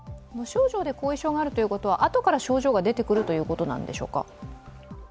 無症状で後遺症があるということは、あとから症状が出てくるということなんでしょうか。